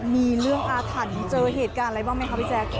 มีเรื่องอาถรรพ์เจอเหตุการณ์อะไรบ้างไหมคะพี่แจ๊ค